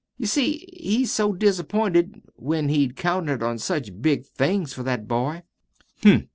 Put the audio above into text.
You see, he's so disappointed, when he'd counted on such big things for that boy!"